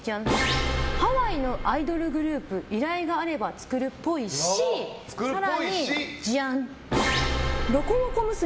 ハワイのアイドルグループ依頼があれば作っぽいし更にロコモコ娘。